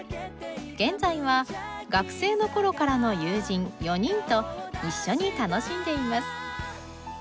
現在は学生の頃からの友人４人と一緒に楽しんでいます。